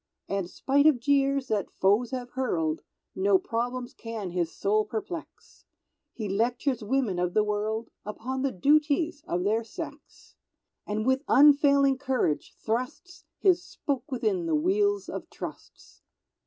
And spite of jeers that foes have hurled, No problems can his soul perplex; He lectures women of the world Upon the duties of their sex, And with unfailing courage thrusts His spoke within the wheels of trusts.